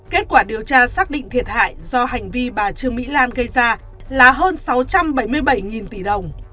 kết quả điều tra xác định thiệt hại do hành vi bà trương mỹ lan gây ra là hơn sáu trăm bảy mươi bảy tỷ đồng